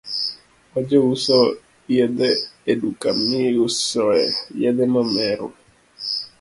Wajouso yedhe e duka miusoe yedhe mamero